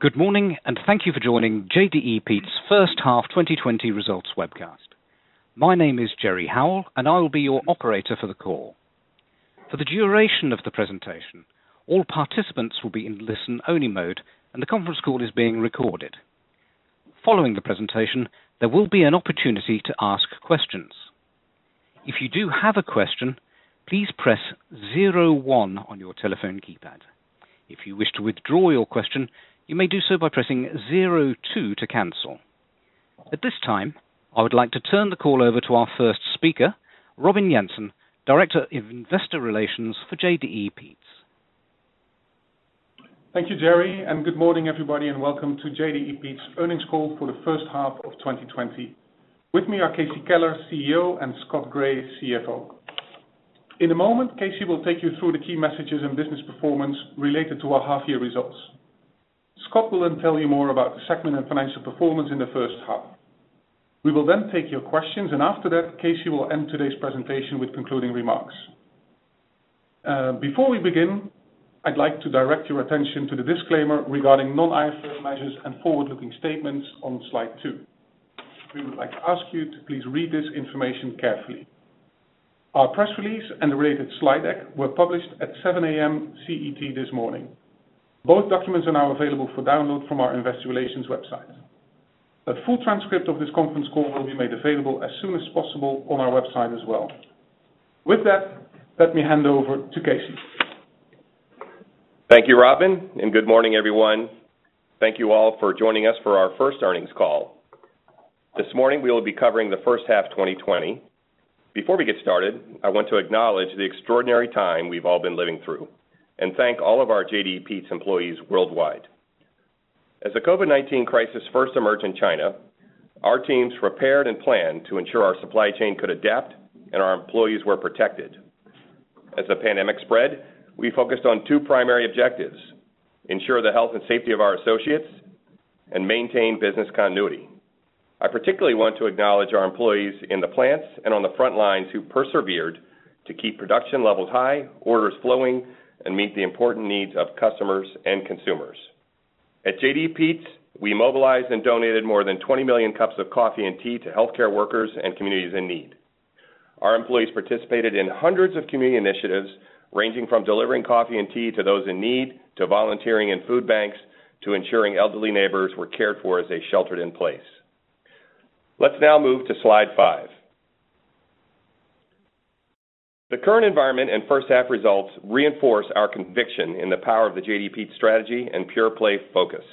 Good morning, thank you for joining JDE Peet's first half 2020 results webcast. My name is Jerry Howell. I will be your operator for the call. For the duration of the presentation, all participants will be in listen-only mode. The conference call is being recorded. Following the presentation, there will be an opportunity to ask questions. If you do have a question, please press zero one on your telephone keypad. If you wish to withdraw your question, you may do so by pressing zero two to cancel. At this time, I would like to turn the call over to our first speaker, Robin Jansen, Director of Investor Relations for JDE Peet's. Thank you, Jerry. Good morning, everybody, and welcome to JDE Peet's earnings call for the first half of 2020. With me are Casey Keller, CEO, and Scott Gray, CFO. In a moment, Casey will take you through the key messages and business performance related to our half year results. Scott will tell you more about the segment and financial performance in the first half. We will take your questions, and after that, Casey will end today's presentation with concluding remarks. Before we begin, I'd like to direct your attention to the disclaimer regarding non-IFRS measures and forward-looking statements on Slide two. We would like to ask you to please read this information carefully. Our press release and the related slide deck were published at 7:00 A.M. CET this morning. Both documents are now available for download from our investor relations website. A full transcript of this conference call will be made available as soon as possible on our website as well. With that, let me hand over to Casey. Thank you, Robin, and good morning, everyone. Thank you all for joining us for our first earnings call. This morning, we'll be covering the first half 2020. Before we get started, I want to acknowledge the extraordinary time we've all been living through and thank all of our JDE Peet's employees worldwide. As the COVID-19 crisis first emerged in China, our teams prepared and planned to ensure our supply chain could adapt and our employees were protected. As the pandemic spread, we focused on two primary objectives, ensure the health and safety of our associates and maintain business continuity. I particularly want to acknowledge our employees in the plants and on the front lines who persevered to keep production levels high, orders flowing, and meet the important needs of customers and consumers. At JDE Peet's, we mobilized and donated more than 20 million cups of coffee and tea to healthcare workers and communities in need. Our employees participated in hundreds of community initiatives ranging from delivering coffee and tea to those in need, to volunteering in food banks, to ensuring elderly neighbors were cared for as they sheltered in place. Let's now move to Slide five. The current environment and first half results reinforce our conviction in the power of the JDE Peet's strategy and pure play focus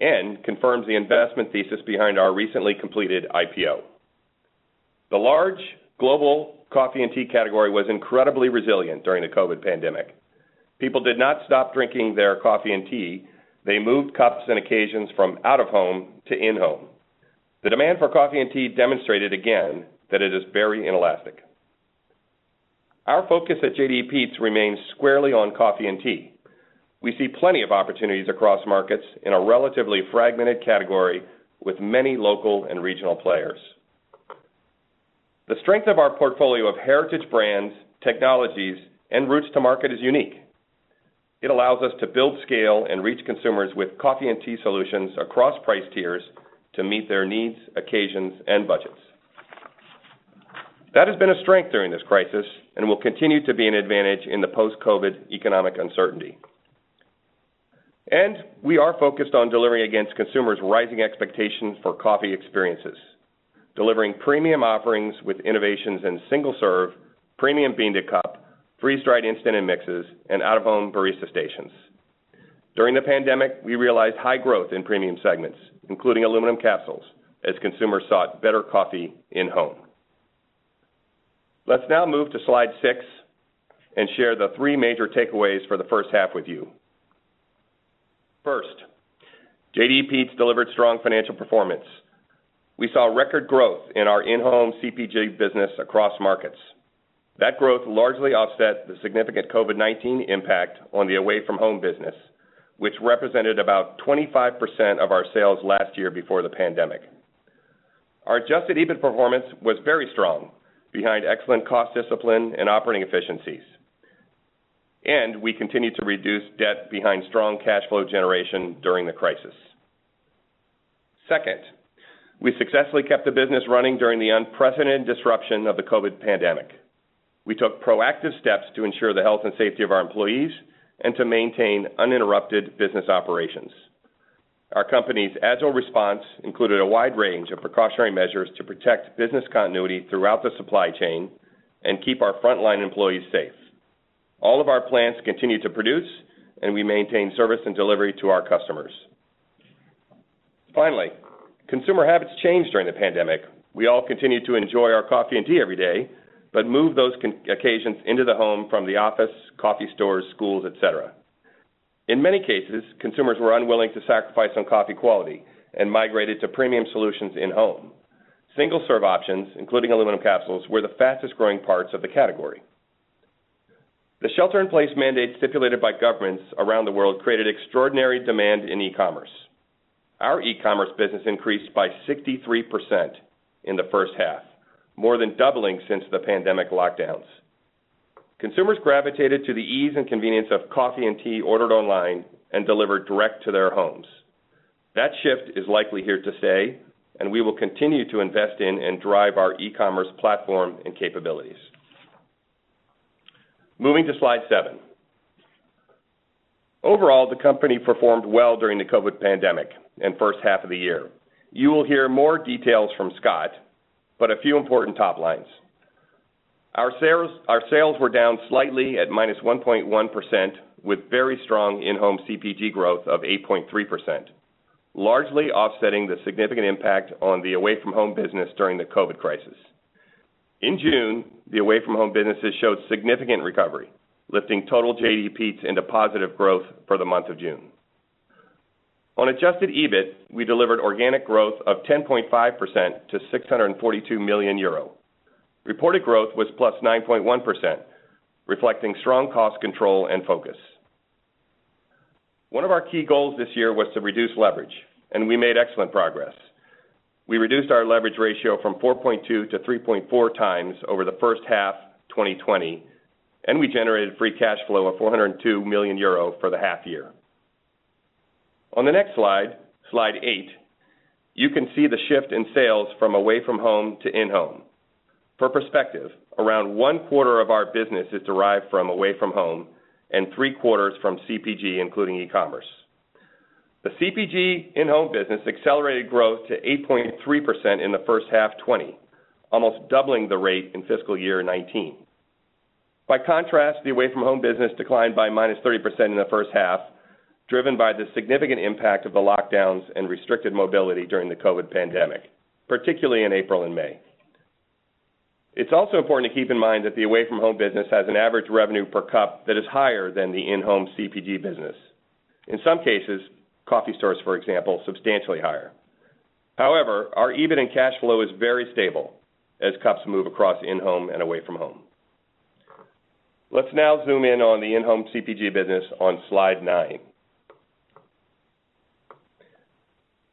and confirms the investment thesis behind our recently completed IPO. The large global coffee and tea category was incredibly resilient during the COVID pandemic. People did not stop drinking their coffee and tea. They moved cups and occasions from out of home to in-home. The demand for coffee and tea demonstrated again that it is very inelastic. Our focus at JDE Peet's remains squarely on coffee and tea. We see plenty of opportunities across markets in a relatively fragmented category with many local and regional players. The strength of our portfolio of heritage brands, technologies, and routes to market is unique. It allows us to build scale and reach consumers with coffee and tea solutions across price tiers to meet their needs, occasions, and budgets. That has been a strength during this crisis and will continue to be an advantage in the post-COVID-19 economic uncertainty. We are focused on delivering against consumers' rising expectations for coffee experiences, delivering premium offerings with innovations in single serve, premium bean to cup, freeze-dried instant and mixes, and out of home barista stations. During the pandemic, we realized high growth in premium segments, including aluminum capsules, as consumers sought better coffee in-home. Let's now move to Slide six and share the three major takeaways for the first half with you. First, JDE Peet's delivered strong financial performance. We saw record growth in our in-home CPG business across markets. That growth largely offset the significant COVID-19 impact on the away from home business, which represented about 25% of our sales last year before the pandemic. Our adjusted EBIT performance was very strong behind excellent cost discipline and operating efficiencies. We continued to reduce debt behind strong cash flow generation during the crisis. Second, we successfully kept the business running during the unprecedented disruption of the COVID pandemic. We took proactive steps to ensure the health and safety of our employees and to maintain uninterrupted business operations. Our company's agile response included a wide range of precautionary measures to protect business continuity throughout the supply chain and keep our frontline employees safe. All of our plants continue to produce, and we maintain service and delivery to our customers. Finally, consumer habits changed during the pandemic. We all continued to enjoy our coffee and tea every day, but moved those occasions into the home from the office, coffee stores, schools, et cetera. In many cases, consumers were unwilling to sacrifice on coffee quality and migrated to premium solutions in-home. Single serve options, including aluminum capsules, were the fastest growing parts of the category. The shelter in place mandate stipulated by governments around the world created extraordinary demand in e-commerce. Our e-commerce business increased by 63% in the first half, more than doubling since the pandemic lockdowns. Consumers gravitated to the ease and convenience of coffee and tea ordered online and delivered direct to their homes. That shift is likely here to stay. We will continue to invest in and drive our e-commerce platform and capabilities. Moving to Slide seven. Overall, the company performed well during the COVID pandemic in first half of the year. You will hear more details from Scott, but a few important top lines. Our sales were down slightly at -1.1%, with very strong in-home CPG growth of 8.3%, largely offsetting the significant impact on the away from home business during the COVID crisis. In June, the away from home businesses showed significant recovery, lifting total JDE Peet's into positive growth for the month of June. On adjusted EBIT, we delivered organic growth of 10.5% to 642 million euro. Reported growth was +9.1%, reflecting strong cost control and focus. One of our key goals this year was to reduce leverage. We made excellent progress. We reduced our leverage ratio from 4.2x-3.4x over the first half 2020, and we generated free cash flow of 402 million euro for the half year. On the next Slide eight, you can see the shift in sales from away from home to in-home. For perspective, around one quarter of our business is derived from away from home and three quarters from CPG, including e-commerce. The CPG in-home business accelerated growth to 8.3% in the first half 2020, almost doubling the rate in fiscal year 2019. By contrast, the away from home business declined by -30% in the first half, driven by the significant impact of the lockdowns and restricted mobility during the COVID-19 pandemic, particularly in April and May. It's also important to keep in mind that the away from home business has an average revenue per cup that is higher than the in-home CPG business. In some cases, coffee stores, for example, substantially higher. Our EBIT and cash flow is very stable as cups move across in-home and away from home. Let's now zoom in on the in-home CPG business on Slide nine.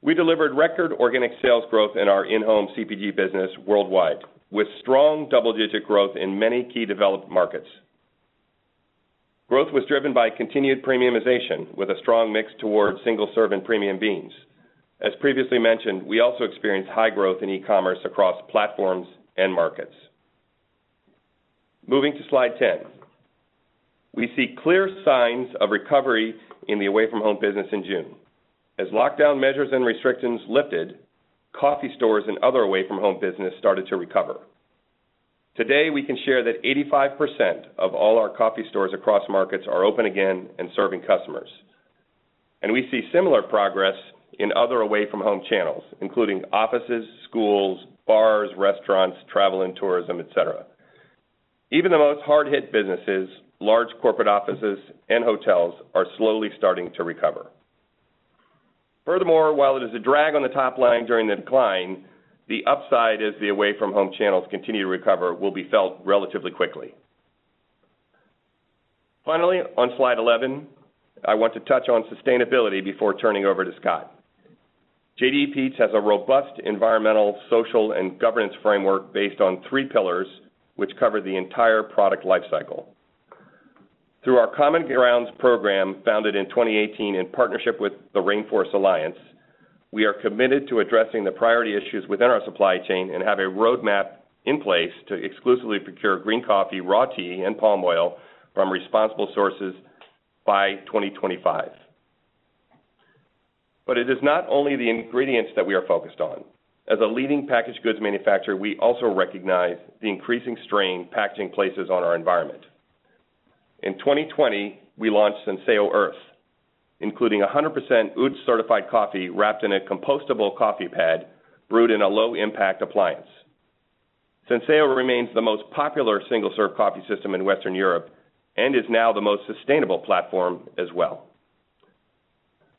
We delivered record organic sales growth in our in-home CPG business worldwide, with strong double-digit growth in many key developed markets. Growth was driven by continued premiumization with a strong mix towards single-serve and premium beans. As previously mentioned, we also experienced high growth in e-commerce across platforms and markets. Moving to Slide 10. We see clear signs of recovery in the away from home business in June. As lockdown measures and restrictions lifted, coffee stores and other away from home business started to recover. Today, we can share that 85% of all our coffee stores across markets are open again and serving customers, and we see similar progress in other away from home channels, including offices, schools, bars, restaurants, travel and tourism, et cetera. Even the most hard hit businesses, large corporate offices and hotels, are slowly starting to recover. Furthermore, while it is a drag on the top line during the decline, the upside as the away from home channels continue to recover will be felt relatively quickly. Finally, on Slide 11, I want to touch on sustainability before turning over to Scott. JDE Peet's has a robust environmental, social, and governance framework based on three pillars which cover the entire product life cycle. Through our Common Grounds program, founded in 2018 in partnership with the Rainforest Alliance, we are committed to addressing the priority issues within our supply chain and have a roadmap in place to exclusively procure green coffee, raw tea and palm oil from responsible sources by 2025. It is not only the ingredients that we are focused on. As a leading packaged goods manufacturer, we also recognize the increasing strain packaging places on our environment. In 2020, we launched Senseo Earth, including 100% UTZ certified coffee wrapped in a compostable coffee pad, brewed in a low-impact appliance. Senseo remains the most popular single-serve coffee system in Western Europe and is now the most sustainable platform as well.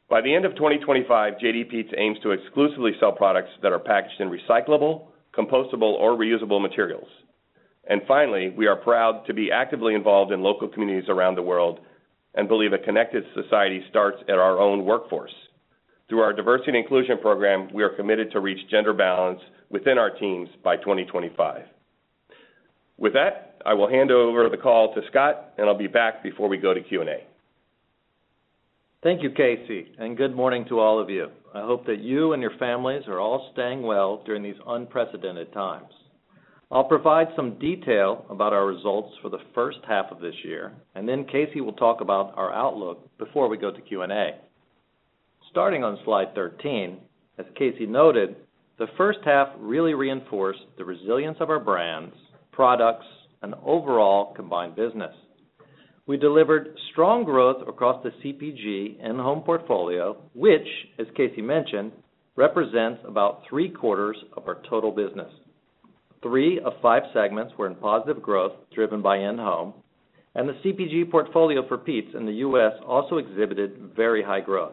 By the end of 2025, JDE Peet's aims to exclusively sell products that are packaged in recyclable, compostable, or reusable materials. Finally, we are proud to be actively involved in local communities around the world and believe a connected society starts at our own workforce. Through our diversity and inclusion program, we are committed to reach gender balance within our teams by 2025. With that, I will hand over the call to Scott, and I’ll be back before we go to Q&A. Thank you, Casey, and good morning to all of you. I hope that you and your families are all staying well during these unprecedented times. I'll provide some detail about our results for the first half of this year, and then Casey will talk about our outlook before we go to Q&A. Starting on Slide 13, as Casey noted, the first half really reinforced the resilience of our brands, products, and overall combined business. We delivered strong growth across the CPG and home portfolio, which, as Casey mentioned, represents about three quarters of our total business. Three of five segments were in positive growth, driven by in-home, and the CPG portfolio for Peet's in the U.S. also exhibited very high growth.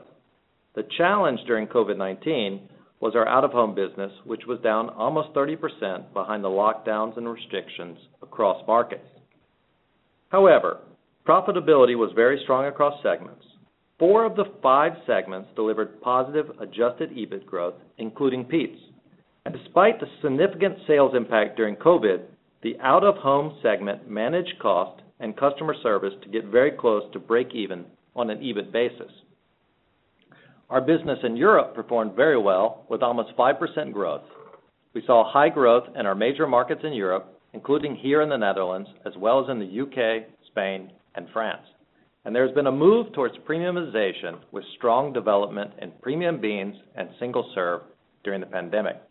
The challenge during COVID-19 was our out of home business, which was down almost 30% behind the lockdowns and restrictions across markets. However, profitability was very strong across segments. Four of the five segments delivered positive adjusted EBIT growth, including Peet's. Despite the significant sales impact during COVID, the out-of-home segment managed cost and customer service to get very close to break even on an EBIT basis. Our business in Europe performed very well with almost 5% growth. We saw high growth in our major markets in Europe, including here in the Netherlands, as well as in the U.K., Spain and France. There has been a move towards premiumization with strong development in premium beans and single serve during the pandemic.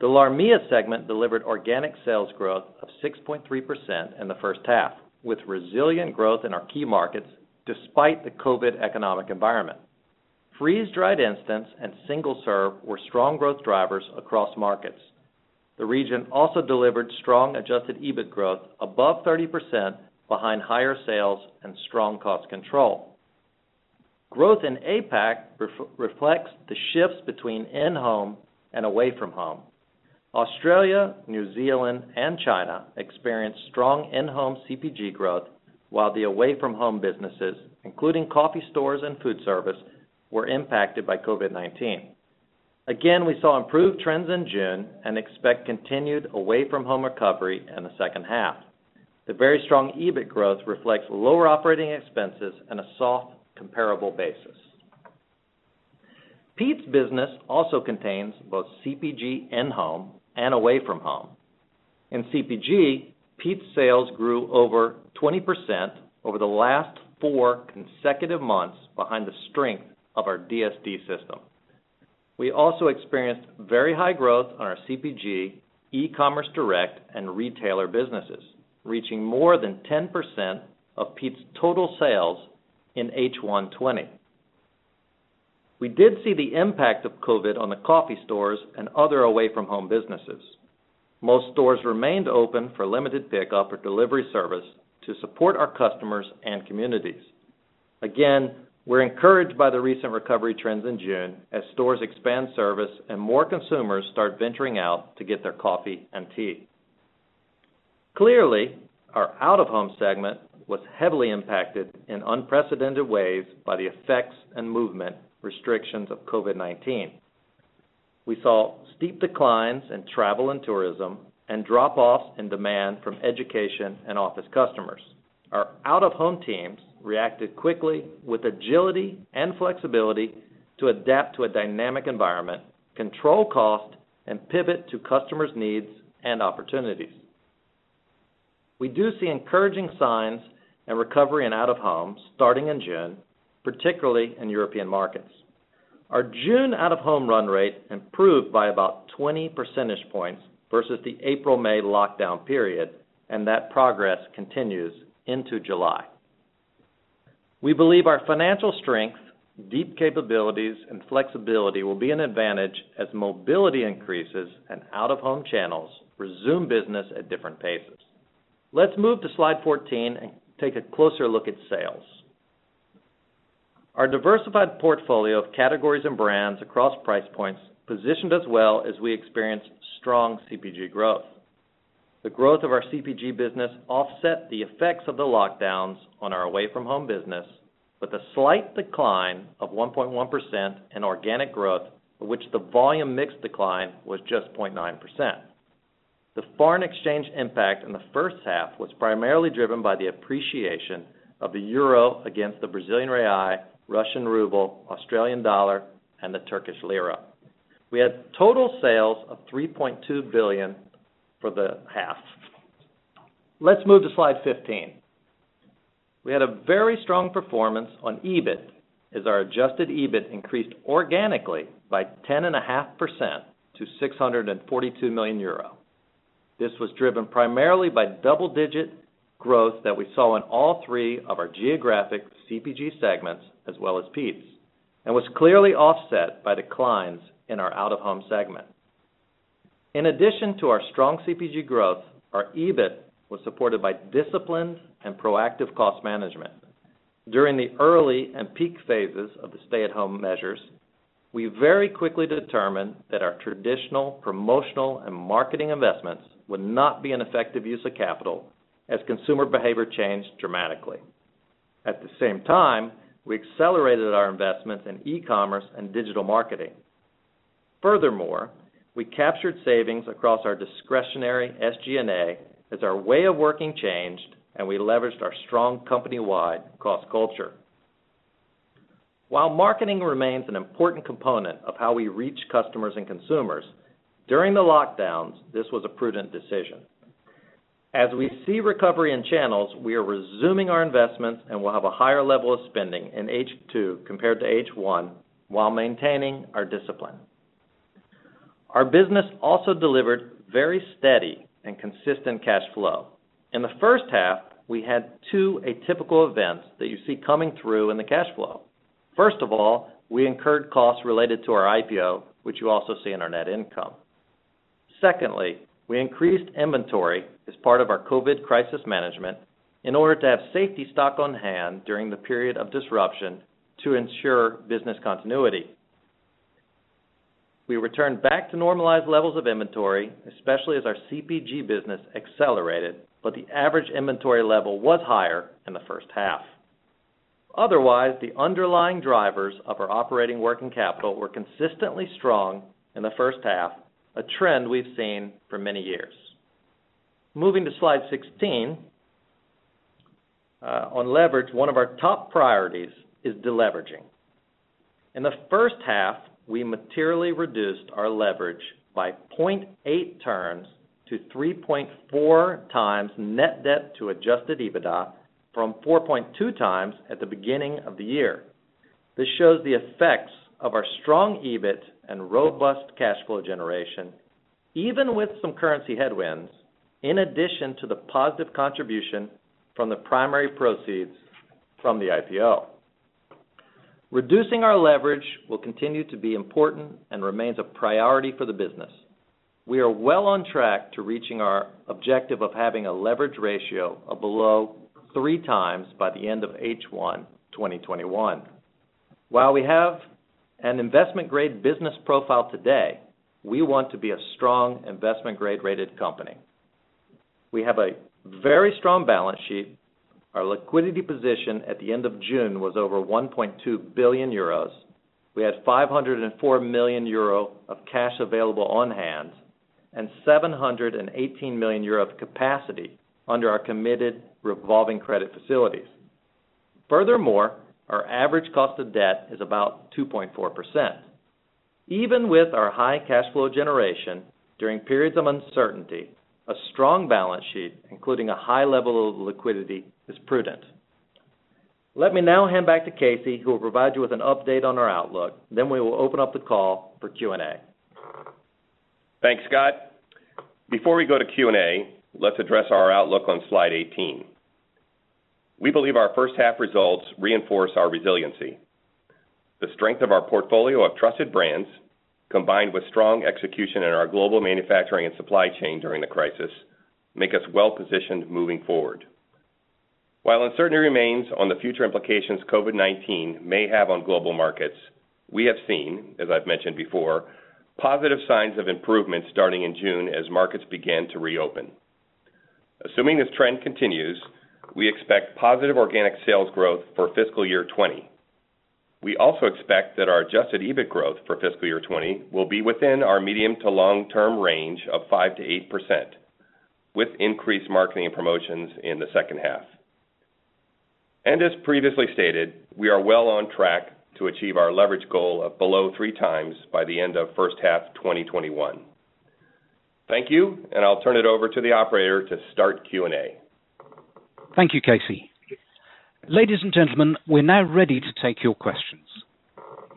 The LARMEA segment delivered organic sales growth of 6.3% in the first half, with resilient growth in our key markets, despite the COVID economic environment. Freeze-dried instants and single serve were strong growth drivers across markets. The region also delivered strong adjusted EBIT growth above 30% behind higher sales and strong cost control. Growth in APAC reflects the shifts between in-home and away from home. Australia, New Zealand and China experienced strong in-home CPG growth while the away from home businesses, including coffee stores and food service, were impacted by COVID-19. Again, we saw improved trends in June and expect continued away from home recovery in the second half. The very strong EBIT growth reflects lower operating expenses and a soft comparable basis. Peet's business also contains both CPG in-home and away from home. In CPG, Peet's sales grew over 20% over the last four consecutive months behind the strength of our DSD system. We also experienced very high growth on our CPG, e-commerce direct and retailer businesses, reaching more than 10% of Peet's total sales in H1 2020. We did see the impact of COVID on the coffee stores and other away from home businesses. Most stores remained open for limited pickup or delivery service to support our customers and communities. Again, we're encouraged by the recent recovery trends in June as stores expand service and more consumers start venturing out to get their coffee and tea. Clearly, our out-of-home segment was heavily impacted in unprecedented ways by the effects and movement restrictions of COVID-19. We saw steep declines in travel and tourism and drop-offs in demand from education and office customers. Our out-of-home teams reacted quickly with agility and flexibility to adapt to a dynamic environment, control cost, and pivot to customers' needs and opportunities. We do see encouraging signs and recovery in out-of-home starting in June, particularly in European markets. Our June out-of-home run rate improved by about 20 percentage points versus the April/May lockdown period, and that progress continues into July. We believe our financial strength, deep capabilities, and flexibility will be an advantage as mobility increases and out-of-home channels resume business at different paces. Let's move to Slide 14 and take a closer look at sales. Our diversified portfolio of categories and brands across price points positioned us well as we experienced strong CPG growth. The growth of our CPG business offset the effects of the lockdowns on our away from home business with a slight decline of 1.1% in organic growth, of which the volume mix decline was just 0.9%. The foreign exchange impact in the first half was primarily driven by the appreciation of the euro against the Brazilian real, Russian ruble, Australian dollar, and the Turkish lira. We had total sales of 3.2 billion for the half. Let's move to Slide 15. We had a very strong performance on EBIT as our adjusted EBIT increased organically by 10.5% to 642 million euro. This was driven primarily by double-digit growth that we saw in all three of our geographic CPG segments as well as Peet's, and was clearly offset by declines in our out-of-home segment. In addition to our strong CPG growth, our EBIT was supported by disciplined and proactive cost management. During the early and peak phases of the stay-at-home measures, we very quickly determined that our traditional promotional and marketing investments would not be an effective use of capital as consumer behavior changed dramatically. At the same time, we accelerated our investments in e-commerce and digital marketing. Furthermore, we captured savings across our discretionary SG&A as our way of working changed, and we leveraged our strong company-wide cost culture. While marketing remains an important component of how we reach customers and consumers, during the lockdowns, this was a prudent decision. As we see recovery in channels, we are resuming our investments and will have a higher level of spending in H2 compared to H1 while maintaining our discipline. Our business also delivered very steady and consistent cash flow. In the first half, we had two atypical events that you see coming through in the cash flow. First of all, we incurred costs related to our IPO, which you also see in our net income. Secondly, we increased inventory as part of our COVID-19 crisis management in order to have safety stock on hand during the period of disruption to ensure business continuity. We returned back to normalized levels of inventory, especially as our CPG business accelerated, but the average inventory level was higher in the first half. Otherwise, the underlying drivers of our operating working capital were consistently strong in the first half, a trend we've seen for many years. Moving to Slide 16, on leverage, one of our top priorities is deleveraging. In the first half, we materially reduced our leverage by 0.8 turns to 3.4x net debt to adjusted EBITDA from 4.2x at the beginning of the year. This shows the effects of our strong EBIT and robust cash flow generation, even with some currency headwinds, in addition to the positive contribution from the primary proceeds from the IPO. Reducing our leverage will continue to be important and remains a priority for the business. We are well on track to reaching our objective of having a leverage ratio of below 3x by the end of H1 2021. While we have an investment-grade business profile today, we want to be a strong investment-grade-rated company. We have a very strong balance sheet. Our liquidity position at the end of June was over 1.2 billion euros. We had 504 million euro of cash available on hand, and 718 million euro of capacity under our committed revolving credit facilities. Furthermore, our average cost of debt is about 2.4%. Even with our high cash flow generation during periods of uncertainty, a strong balance sheet, including a high level of liquidity, is prudent. Let me now hand back to Casey, who will provide you with an update on our outlook. We will open up the call for Q&A. Thanks, Scott. Before we go to Q&A, let's address our outlook on Slide 18. We believe our first half results reinforce our resiliency. The strength of our portfolio of trusted brands, combined with strong execution in our global manufacturing and supply chain during the crisis, make us well-positioned moving forward. While uncertainty remains on the future implications COVID-19 may have on global markets, we have seen, as I've mentioned before, positive signs of improvement starting in June as markets began to reopen. Assuming this trend continues, we expect positive organic sales growth for fiscal year 2020. We also expect that our adjusted EBIT growth for fiscal year 2020 will be within our medium to long-term range of 5%-8%, with increased marketing and promotions in the second half. As previously stated, we are well on track to achieve our leverage goal of below 3x by the end of first half 2021. Thank you, and I'll turn it over to the operator to start Q&A. Thank you, Casey. Ladies and gentlemen, we're now ready to take your questions.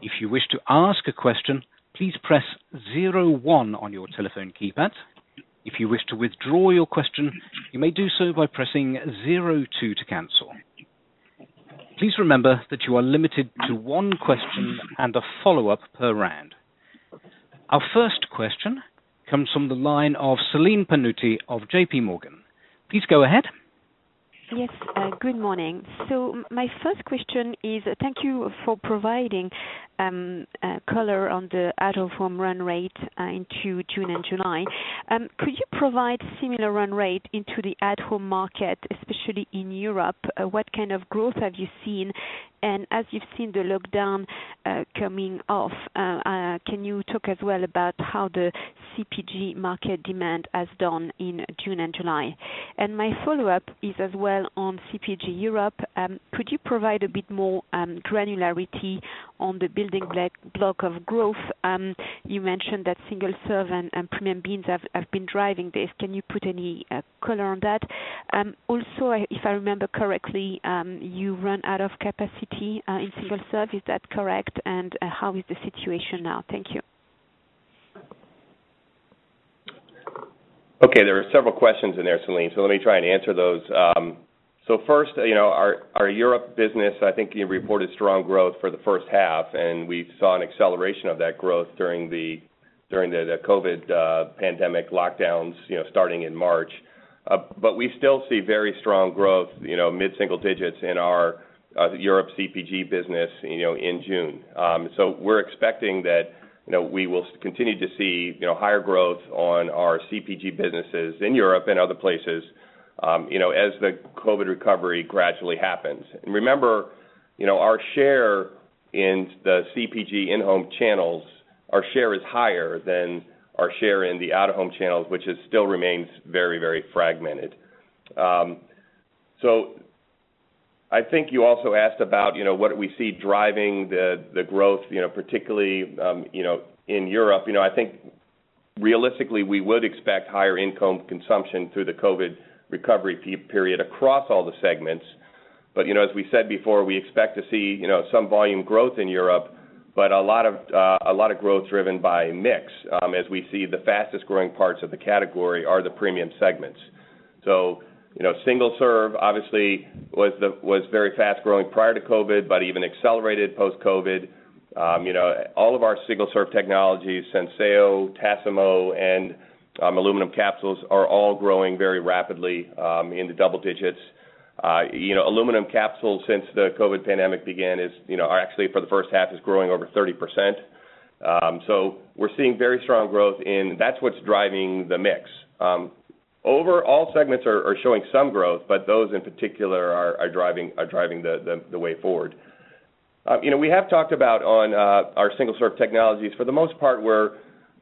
If you wish to ask a question, please press zero one on your telephone keypad. If you wish to withdraw your question, you may do so by pressing zero two to cancel. Please remember that you are limited to one question and a follow-up per round. Our first question comes from the line of Celine Pannuti of JPMorgan. Please go ahead. Yes, good morning. My first question is, thank you for providing color on the out-of-home run rate into June and July. Could you provide similar run rate into the at-home market, especially in Europe? What kind of growth have you seen? As you've seen the lockdown coming off, can you talk as well about how the CPG market demand has done in June and July? My follow-up is as well on CPG Europe. Could you provide a bit more granularity on the building block of growth? You mentioned that single-serve and premium beans have been driving this. Can you put any color on that? Also, if I remember correctly, you ran out of capacity in single-serve. Is that correct? How is the situation now? Thank you. There are several questions in there, Celine Pannuti, let me try and answer those. First, our Europe business, I think you reported strong growth for the first half, and we saw an acceleration of that growth during the COVID pandemic lockdowns starting in March. We still see very strong growth, mid-single digits in our Europe CPG business in June. We're expecting that we will continue to see higher growth on our CPG businesses in Europe and other places as the COVID recovery gradually happens. Remember, our share in the CPG in-home channels, our share is higher than our share in the out-of-home channels, which still remains very fragmented. I think you also asked about what we see driving the growth, particularly in Europe. I think realistically, we would expect higher income consumption through the COVID recovery period across all the segments. As we said before, we expect to see some volume growth in Europe, but a lot of growth driven by mix, as we see the fastest-growing parts of the category are the premium segments. Single-serve obviously was very fast-growing prior to COVID, even accelerated post-COVID. All of our single-serve technologies, Senseo, Tassimo, and aluminum capsules, are all growing very rapidly into double-digits. Aluminum capsules since the COVID pandemic began is actually for the first half is growing over 30%. We're seeing very strong growth, and that's what's driving the mix. All segments are showing some growth, those in particular are driving the way forward. We have talked about our single-serve technologies. For the most part,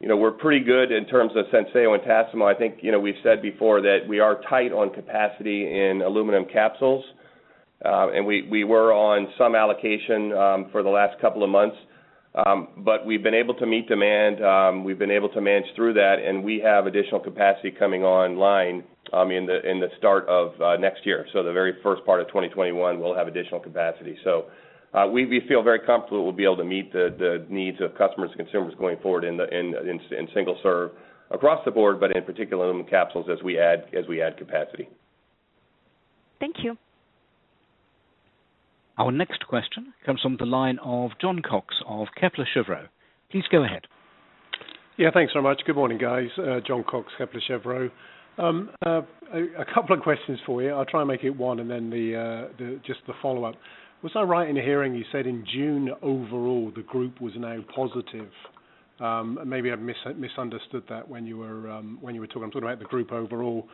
we're pretty good in terms of Senseo and Tassimo. I think we've said before that we are tight on capacity in aluminum capsules, and we were on some allocation for the last couple of months. We've been able to meet demand, we've been able to manage through that, and we have additional capacity coming online in the start of next year. The very first part of 2021, we'll have additional capacity. We feel very comfortable we'll be able to meet the needs of customers and consumers going forward in single-serve across the board, but in particular aluminum capsules as we add capacity. Thank you. Our next question comes from the line of Jon Cox of Kepler Cheuvreux. Please go ahead. Yeah. Thanks so much. Good morning, guys. Jon Cox, Kepler Cheuvreux. A couple of questions for you. I'll try and make it one and then just the follow-up. Was I right in hearing you said in June overall, the group was now positive? Maybe I've misunderstood that when you were talking. I'm talking about the group overall.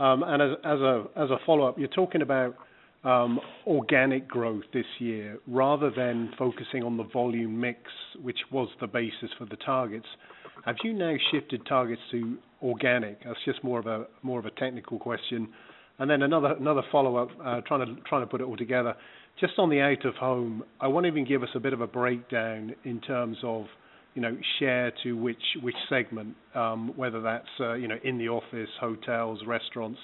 As a follow-up, you're talking about organic growth this year rather than focusing on the volume mix, which was the basis for the targets. Have you now shifted targets to organic? That's just more of a technical question. Another follow-up, trying to put it all together. Just on the out-of-home, I wonder if you can give us a bit of a breakdown in terms of share to which segment, whether that's in the office, hotels, restaurants.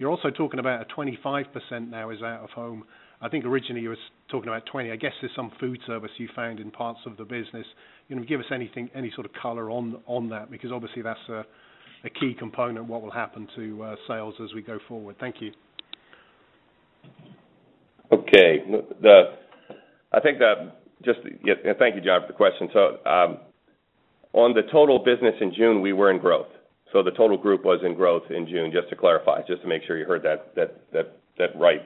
You're also talking about a 25% now is out-of-home. I think originally you were talking about 20. I guess there's some food service you found in parts of the business. Can you give us any sort of color on that? Because obviously that's a key component what will happen to sales as we go forward. Thank you. Okay. Thank you, Jon, for the question. On the total business in June, we were in growth. The total group was in growth in June, just to clarify, just to make sure you heard that right.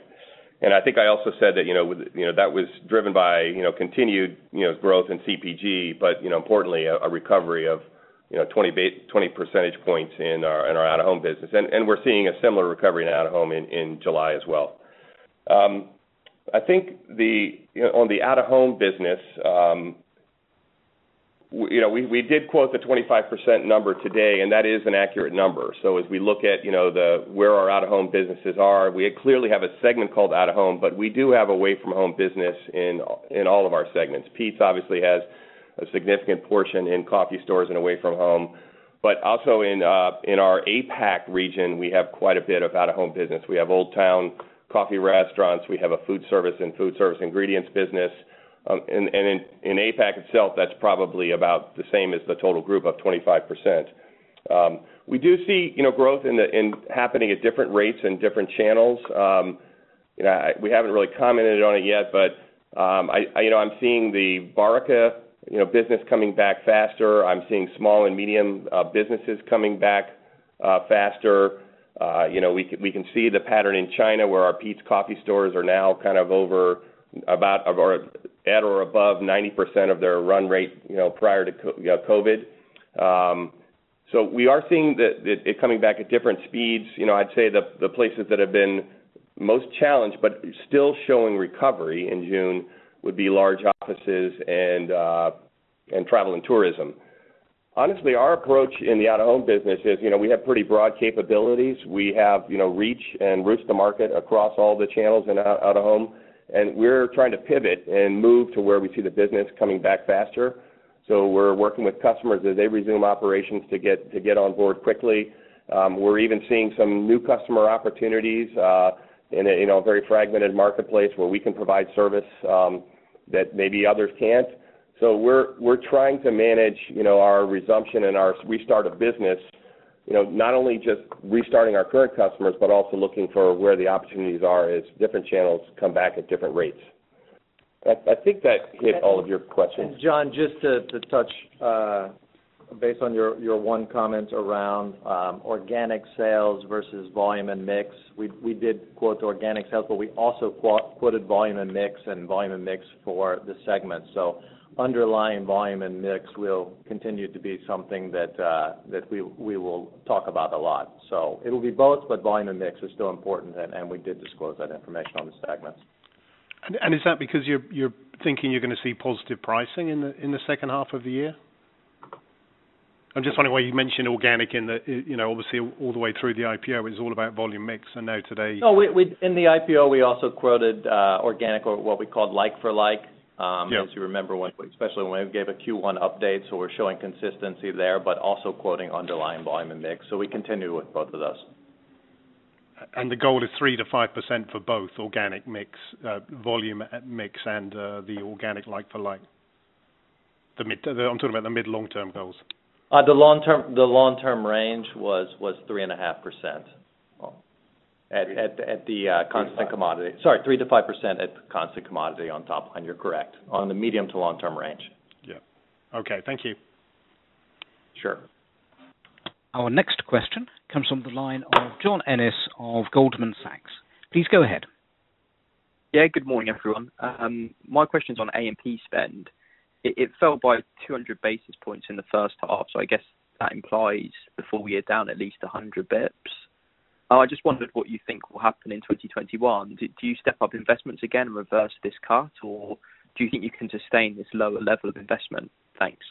I think I also said that was driven by continued growth in CPG, but importantly, a recovery of 20 percentage points in our out-of-home business. We're seeing a similar recovery in out-of-home in July as well. I think on the out-of-home business, we did quote the 25% number today, and that is an accurate number. As we look at where our out-of-home businesses are, we clearly have a segment called out-of-home, but we do have away-from-home business in all of our segments. Peet's obviously has a significant portion in coffee stores and away from home, but also in our APAC region, we have quite a bit of out-of-home business. We have OldTown coffee restaurants. We have a food service and food service ingredients business. In APAC itself, that's probably about the same as the total group of 25%. We do see growth happening at different rates in different channels. We haven't really commented on it yet, but I'm seeing the Horeca business coming back faster. I'm seeing small and medium businesses coming back faster. We can see the pattern in China where our Peet's Coffee stores are now at or above 90% of their run rate prior to COVID. We are seeing it coming back at different speeds. I'd say the places that have been most challenged but still showing recovery in June would be large offices and travel and tourism. Honestly, our approach in the out-of-home business is we have pretty broad capabilities. We have reach and routes to market across all the channels in out-of-home, and we're trying to pivot and move to where we see the business coming back faster. We're working with customers as they resume operations to get on board quickly. We're even seeing some new customer opportunities in a very fragmented marketplace where we can provide service that maybe others can't. We're trying to manage our resumption and our restart of business, not only just restarting our current customers, but also looking for where the opportunities are as different channels come back at different rates. I think that hit all of your questions. Jon, just to touch base on your one comment around organic sales versus volume and mix. We did quote organic sales, but we also quoted volume and mix and volume and mix for the segment. Underlying volume and mix will continue to be something that we will talk about a lot. It'll be both, but volume and mix is still important, and we did disclose that information on the segments. Is that because you're thinking you're going to see positive pricing in the second half of the year? I'm just wondering why you mentioned organic obviously all the way through the IPO, it was all about volume mix. In the IPO, we also quoted organic or what we called like for like. Yeah. As you remember, especially when we gave a Q1 update, so we're showing consistency there, but also quoting underlying volume and mix. We continue with both of those. The goal is 3%-5% for both organic mix, volume mix, and the organic like for like. I'm talking about the mid, long-term goals. The long-term range was 3.5% at the constant commodity. Sorry, 3%-5% at constant commodity on top line, you're correct, on the medium to long-term range. Yeah. Okay. Thank you. Sure. Our next question comes from the line of John Ennis of Goldman Sachs. Please go ahead. Yeah, good morning, everyone. My question's on A&P spend. It fell by 200 basis points in the first half. I guess that implies the full-year down at least 100 basis points. I just wondered what you think will happen in 2021. Do you step up investments again and reverse this cut, or do you think you can sustain this lower level of investment? Thanks.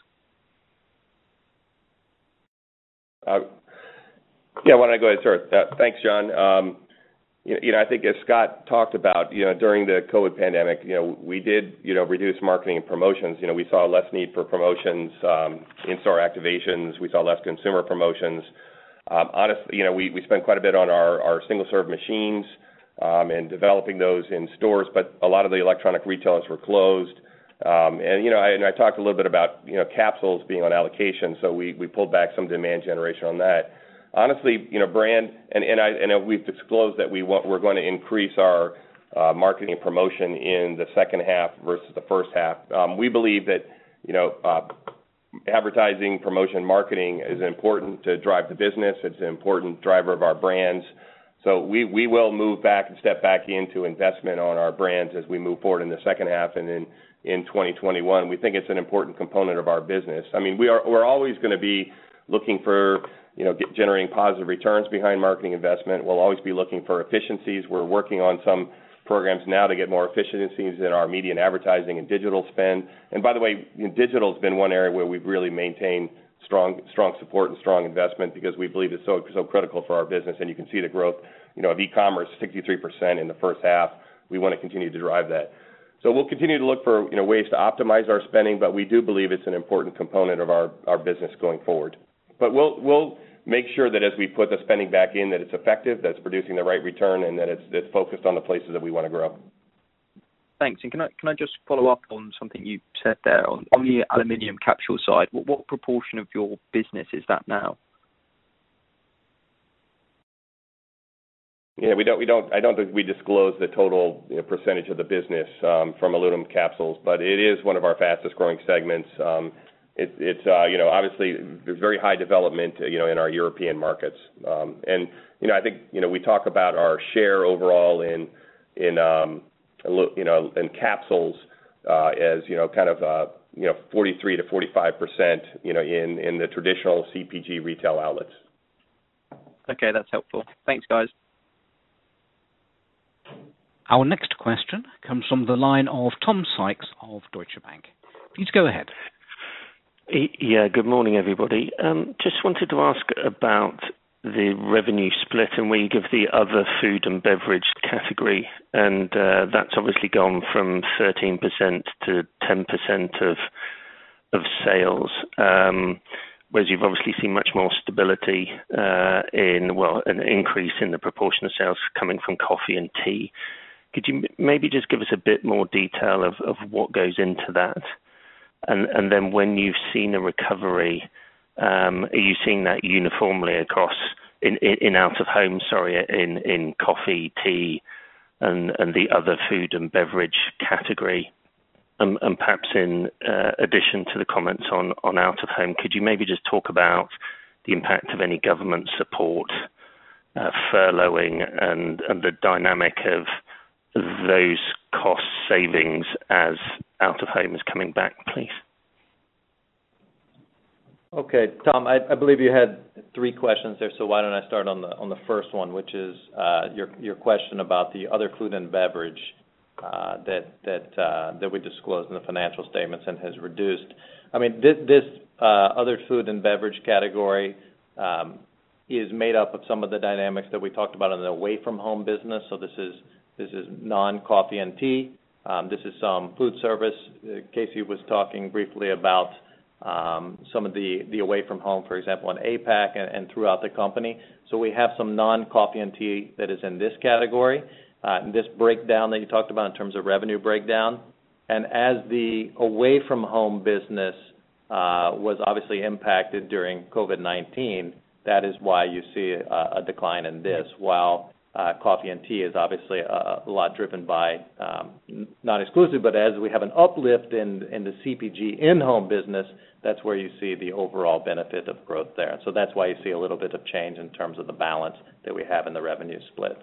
Yeah, why don't I go ahead and start? Thanks, John. I think as Scott talked about, during the COVID-19 pandemic, we did reduce marketing and promotions. We saw less need for promotions, in-store activations. We saw less consumer promotions. Honestly, we spent quite a bit on our single-serve machines and developing those in stores, but a lot of the electronic retailers were closed. I talked a little bit about capsules being on allocation, so we pulled back some demand generation on that. Honestly, I know we've disclosed that we're going to increase our marketing promotion in the second half versus the first half. We believe that advertising, promotion, marketing is important to drive the business. It's an important driver of our brands. So we will move back and step back into investment on our brands as we move forward in the second half and in 2021. We think it's an important component of our business. We're always going to be looking for generating positive returns behind marketing investment. We'll always be looking for efficiencies. We're working on some programs now to get more efficiencies in our media and advertising and digital spend. By the way, digital's been one area where we've really maintained strong support and strong investment because we believe it's so critical for our business, and you can see the growth of e-commerce 63% in the first half. We want to continue to drive that. We'll continue to look for ways to optimize our spending, but we do believe it's an important component of our business going forward. We'll make sure that as we put the spending back in, that it's effective, that it's producing the right return, and that it's focused on the places that we want to grow. Thanks. Can I just follow up on something you said there on the aluminum capsule side. What proportion of your business is that now? Yeah, I don't think we disclose the total % of the business from aluminum capsules, but it is one of our fastest-growing segments. Obviously, there's very high development in our European markets. I think we talk about our share overall in capsules as kind of 43%-45% in the traditional CPG retail outlets. Okay. That's helpful. Thanks, guys. Our next question comes from the line of Tom Sykes of Deutsche Bank. Please go ahead. Yeah. Good morning, everybody. Just wanted to ask about the revenue split and where you give the other food and beverage category, and that's obviously gone from 13% to 10% of sales, whereas you've obviously seen much more stability in, well, an increase in the proportion of sales coming from coffee and tea. Could you maybe just give us a bit more detail of what goes into that? When you've seen a recovery, are you seeing that uniformly across in out of home, sorry, in coffee, tea, and the other food and beverage category? Perhaps in addition to the comments on out of home, could you maybe just talk about the impact of any government support, furloughing, and the dynamic of those cost savings as out of home is coming back, please? Okay. Tom, I believe you had three questions there, why don't I start on the first one, which is your question about the other food and beverage that we disclosed in the financial statements and has reduced. This other food and beverage category is made up of some of the dynamics that we talked about in the away from home business, this is non-coffee and tea. This is some food service. Casey was talking briefly about some of the away from home, for example, in APAC and throughout the company. We have some non-coffee and tea that is in this category, this breakdown that you talked about in terms of revenue breakdown. As the away from home business was obviously impacted during COVID-19, that is why you see a decline in this. While coffee and tea is obviously a lot driven by, not exclusive, but as we have an uplift in the CPG in-home business, that's where you see the overall benefit of growth there. That's why you see a little bit of change in terms of the balance that we have in the revenue split.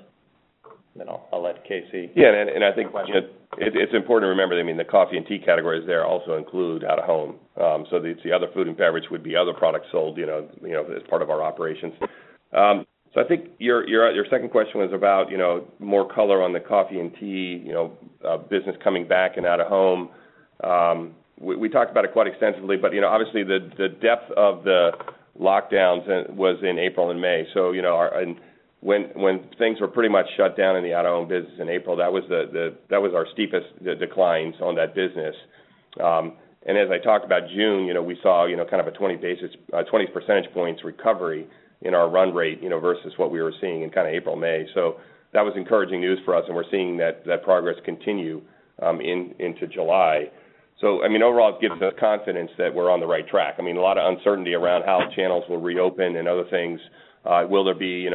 I'll let Casey. I think it's important to remember that the coffee and tea categories there also include out of home. The other food and beverage would be other products sold as part of our operations. I think your second question was about more color on the coffee and tea business coming back and out of home. We talked about it quite extensively, but obviously the depth of the lockdowns was in April and May. When things were pretty much shut down in the out of home business in April, that was our steepest declines on that business. As I talked about June, we saw kind of a 20 percentage points recovery in our run rate versus what we were seeing in kind of April, May. That was encouraging news for us, and we're seeing that progress continue into July. Overall, it gives us confidence that we're on the right track. A lot of uncertainty around how channels will reopen and other things. Will there be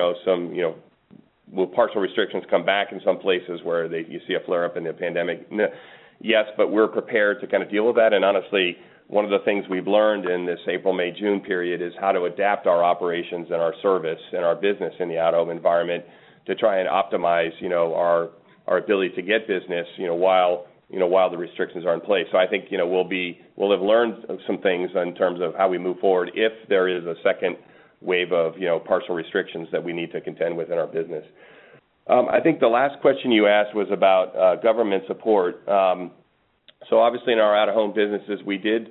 partial restrictions come back in some places where you see a flare-up in the pandemic? Yes, we're prepared to deal with that. Honestly, one of the things we've learned in this April, May, June period is how to adapt our operations and our service and our business in the out-of-home environment to try and optimize our ability to get business while the restrictions are in place. I think we'll have learned some things in terms of how we move forward if there is a second wave of partial restrictions that we need to contend with in our business. I think the last question you asked was about government support. Obviously in our out-of-home businesses, we did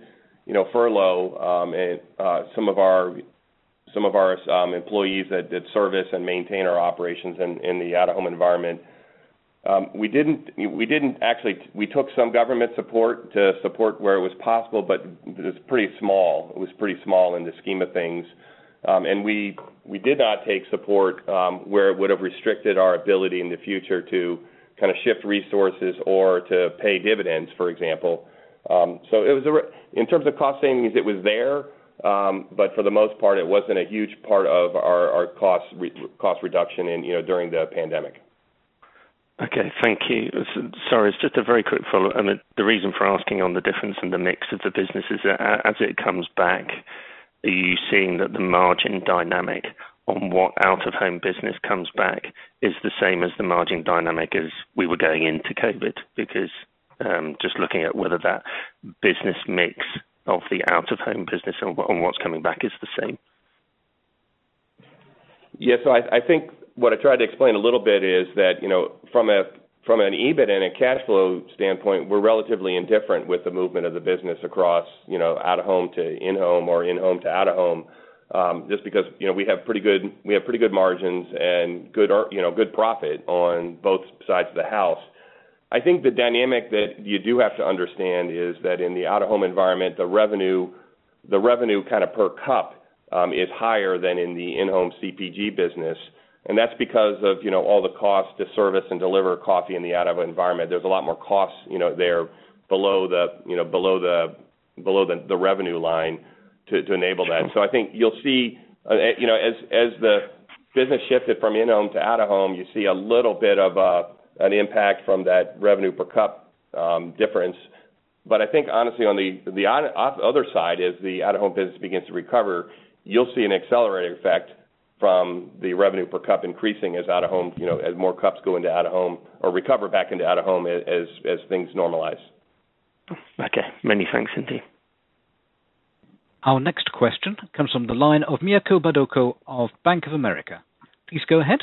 furlough some of our employees that service and maintain our operations in the out-of-home environment. We took some government support to support where it was possible, but it was pretty small in the scheme of things. We did not take support where it would've restricted our ability in the future to shift resources or to pay dividends, for example. In terms of cost savings, it was there. For the most part, it wasn't a huge part of our cost reduction during the pandemic. Okay. Thank you. Sorry, it's just a very quick follow-up, the reason for asking on the difference in the mix of the business is, as it comes back, are you seeing that the margin dynamic on what out-of-home business comes back is the same as the margin dynamic as we were going into COVID-19? Just looking at whether that business mix of the out-of-home business and what's coming back is the same. I think what I tried to explain a little bit is that from an EBIT and a cash flow standpoint, we're relatively indifferent with the movement of the business across out-of-home to in-home or in-home to out-of-home, just because we have pretty good margins and good profit on both sides of the house. I think the dynamic that you do have to understand is that in the out-of-home environment, the revenue per cup is higher than in the in-home CPG business, and that's because of all the cost to service and deliver coffee in the out-of-home environment. There's a lot more costs there below the revenue line to enable that. I think you'll see, as the business shifted from in-home to out-of-home, you see a little bit of an impact from that revenue per cup difference. I think honestly on the other side, as the out-of-home business begins to recover, you'll see an accelerated effect from the revenue per cup increasing as more cups go into out-of-home or recover back into out-of-home, as things normalize. Okay. Many thanks, indeed. Our next question comes from the line of Mirco Badocco of Bank of America. Please go ahead.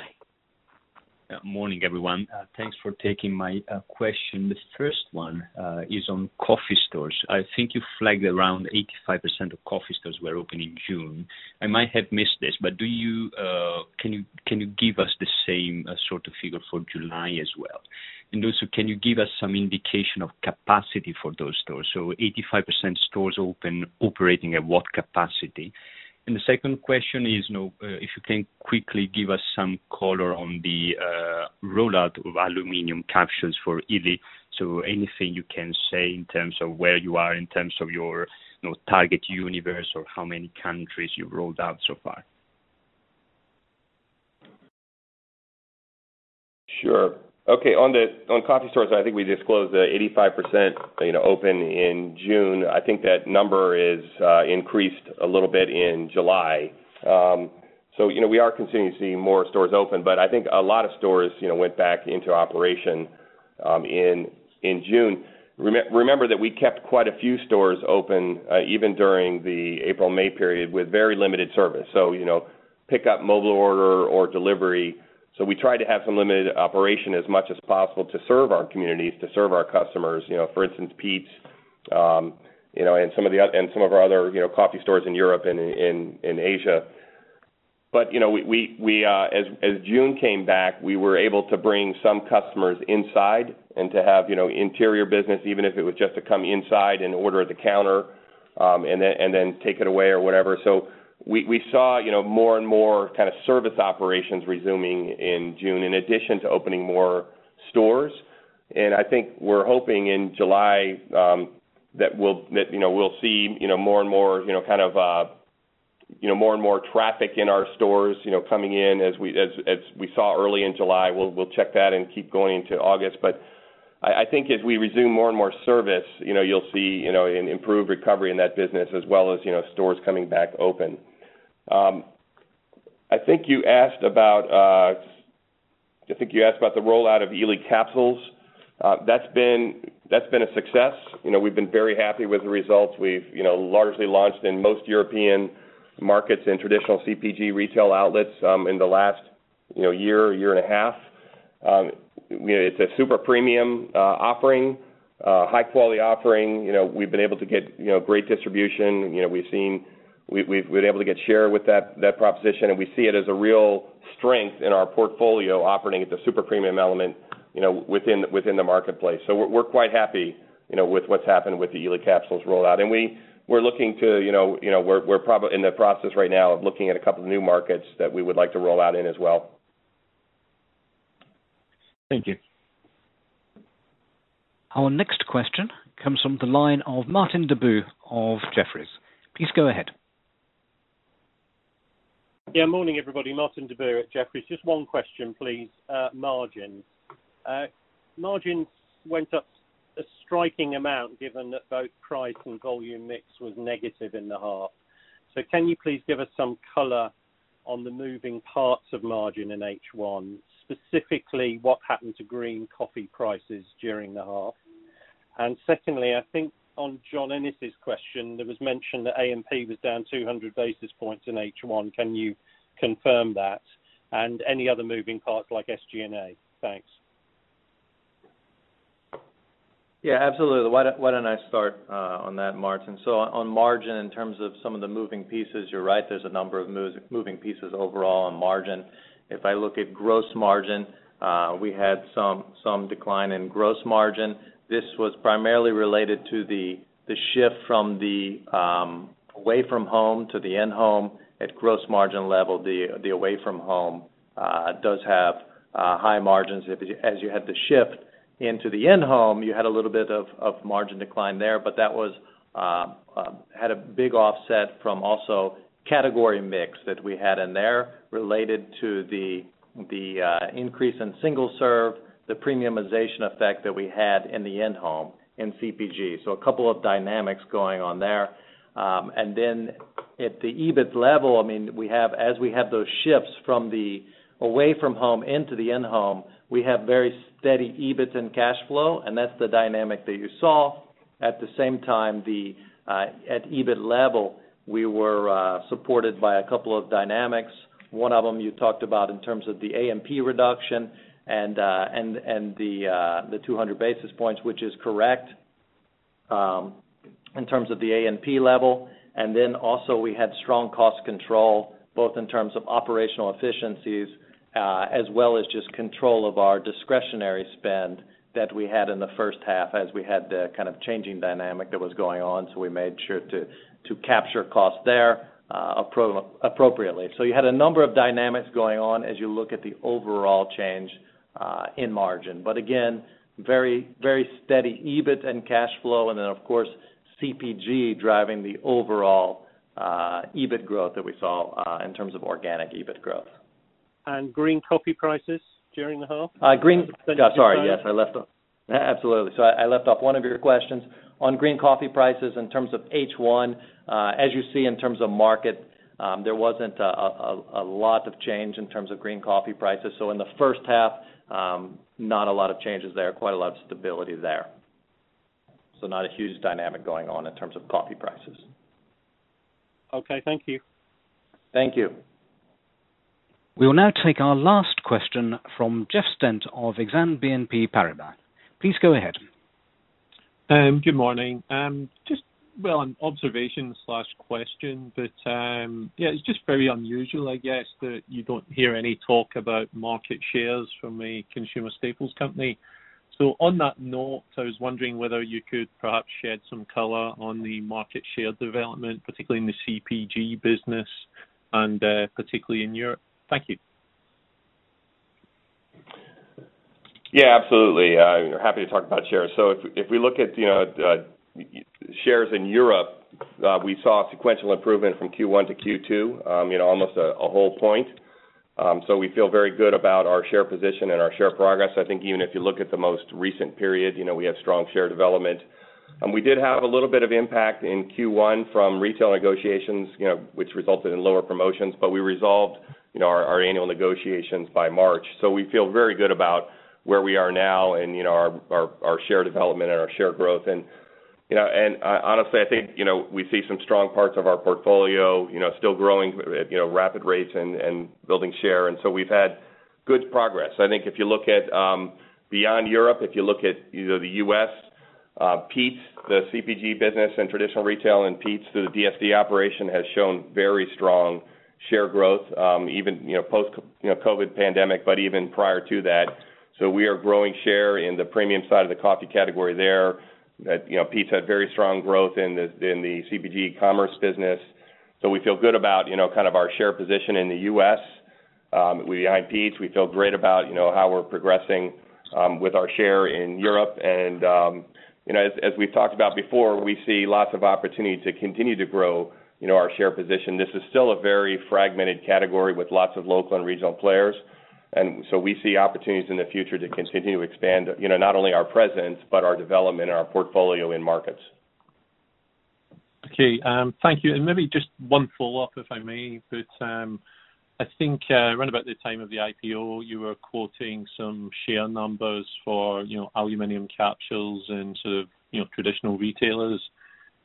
Morning, everyone. Thanks for taking my question. The first one is on coffee stores. I think you flagged around 85% of coffee stores were open in June. I might have missed this, can you give us the same sort of figure for July as well? Also, can you give us some indication of capacity for those stores? 85% stores open, operating at what capacity? The second question is, if you can quickly give us some color on the rollout of aluminum capsules for L'OR. Anything you can say in terms of where you are in terms of your target universe or how many countries you've rolled out so far. Sure. Okay. On coffee stores, I think we disclosed 85% open in June. I think that number is increased a little bit in July. We are continuing to see more stores open, but I think a lot of stores went back into operation in June. Remember that we kept quite a few stores open, even during the April-May period, with very limited service. Pick up mobile order or delivery. We tried to have some limited operation as much as possible to serve our communities, to serve our customers. For instance, Peet's, and some of our other coffee stores in Europe and in Asia. As June came back, we were able to bring some customers inside and to have interior business, even if it was just to come inside and order at the counter, and then take it away or whatever. We saw more and more service operations resuming in June, in addition to opening more stores. I think we're hoping in July, that we'll see more and more traffic in our stores, coming in as we saw early in July. We'll check that and keep going into August. I think as we resume more and more service, you'll see an improved recovery in that business as well as stores coming back open. I think you asked about the rollout of L'OR capsules. That's been a success. We've been very happy with the results. We've largely launched in most European markets and traditional CPG retail outlets, in the last year and a half. It's a super premium offering, high quality offering. We've been able to get great distribution. We've been able to get share with that proposition, and we see it as a real strength in our portfolio, operating at the super premium element within the marketplace. We're quite happy with what's happened with the L'OR capsules rollout. We're in the process right now of looking at a couple of new markets that we would like to roll out in as well. Thank you. Our next question comes from the line of Martin Deboo of Jefferies. Please go ahead. Morning everybody. Martin Deboo at Jefferies. Just one question, please. Margins. Margins went up a striking amount given that both price and volume mix was negative in the half. Can you please give us some color on the moving parts of margin in H1, specifically what happened to green coffee prices during the half? Secondly, I think on John Ennis's question, there was mention that A&P was down 200 basis points in H1. Can you confirm that, and any other moving parts like SG&A? Thanks. Yeah, absolutely. Why don't I start on that, Martin? On margin, in terms of some of the moving pieces, you're right, there's a number of moving pieces overall on margin. If I look at gross margin, we had some decline in gross margin. This was primarily related to the shift from the away from home to the in-home. At gross margin level, the away from home does have high margins. As you had the shift into the in-home, you had a little bit of margin decline there. That had a big offset from also category mix that we had in there related to the increase in single-serve, the premiumization effect that we had in the in-home in CPG. A couple of dynamics going on there. At the EBIT level, as we had those shifts from the away from home into the in-home, we have very steady EBIT and cash flow, and that's the dynamic that you saw. At the same time, at EBIT level, we were supported by a couple of dynamics. One of them you talked about in terms of the A&P reduction and the 200 basis points, which is correct, in terms of the A&P level. Also, we had strong cost control, both in terms of operational efficiencies, as well as just control of our discretionary spend that we had in the first half as we had the kind of changing dynamic that was going on. We made sure to capture cost there appropriately. You had a number of dynamics going on as you look at the overall change in margin. Again, very steady EBIT and cash flow, and then of course, CPG driving the overall EBIT growth that we saw in terms of organic EBIT growth. Green coffee prices during the half? Oh, sorry. Yes, I left off. Absolutely. I left off one of your questions. On green coffee prices in terms of H1, as you see in terms of market, there wasn't a lot of change in terms of green coffee prices. In the first half, not a lot of changes there, quite a lot of stability there. Not a huge dynamic going on in terms of coffee prices. Okay, thank you. Thank you. We will now take our last question from Jeff Stent of Exane BNP Paribas. Please go ahead. Good morning. Well, an observation/question, yeah, it's just very unusual, I guess that you don't hear any talk about market shares from a consumer staples company. On that note, I was wondering whether you could perhaps shed some color on the market share development, particularly in the CPG business and particularly in Europe. Thank you. Yeah, absolutely. Happy to talk about shares. If we look at shares in Europe, we saw sequential improvement from Q1 to Q2, almost a whole point. We feel very good about our share position and our share progress. I think even if you look at the most recent period, we have strong share development. We did have a little bit of impact in Q1 from retail negotiations, which resulted in lower promotions, but we resolved our annual negotiations by March. We feel very good about where we are now and our share development and our share growth. Honestly, I think we see some strong parts of our portfolio still growing at rapid rates and building share. We've had good progress. I think if you look at beyond Europe, if you look at the U.S., Peet's, the CPG business and traditional retail in Peet's through the DSD operation, has shown very strong share growth, even post-COVID-19 pandemic, but even prior to that. We are growing share in the premium side of the coffee category there. Peet's had very strong growth in the CPG commerce business. We feel good about our share position in the U.S. behind Peet's. We feel great about how we're progressing with our share in Europe. As we've talked about before, we see lots of opportunity to continue to grow our share position. This is still a very fragmented category with lots of local and regional players. We see opportunities in the future to continue to expand not only our presence, but our development and our portfolio in markets. Okay. Thank you. Maybe just one follow-up, if I may. I think around about the time of the IPO, you were quoting some share numbers for aluminum capsules and sort of traditional retailers.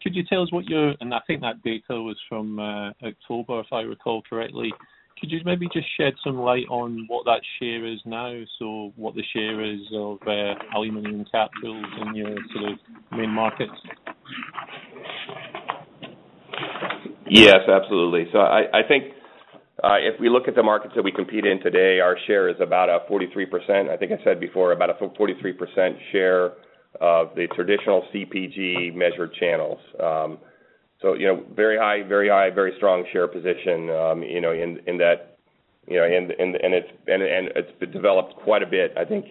Could you tell us? I think that data was from October, if I recall correctly. Could you maybe just shed some light on what that share is now? What the share is of aluminum capsules in your sort of main markets? Yes, absolutely. I think if we look at the markets that we compete in today, our share is about a 43%. I think I said before about a 43% share of the traditional CPG measured channels. Very high, very strong share position in that, and it's developed quite a bit, I think,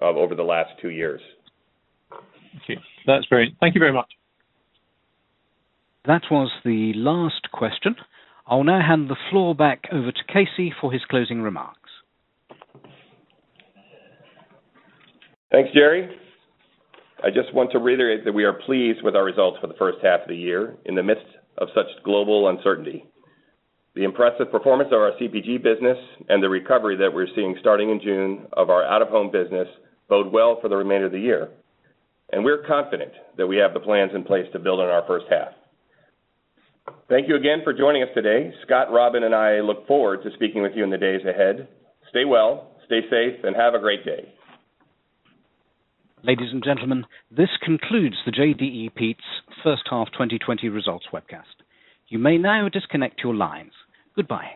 over the last two years. Thank you. That's great. Thank you very much. That was the last question. I will now hand the floor back over to Casey for his closing remarks. Thanks, Jerry. I just want to reiterate that we are pleased with our results for the first half of the year in the midst of such global uncertainty. The impressive performance of our CPG business and the recovery that we're seeing starting in June of our out-of-home business bode well for the remainder of the year. We're confident that we have the plans in place to build on our first half. Thank you again for joining us today. Scott, Robin, and I look forward to speaking with you in the days ahead. Stay well, stay safe, and have a great day. Ladies and gentlemen, this concludes the JDE Peet's first-half 2020 results webcast. You may now disconnect your lines. Goodbye.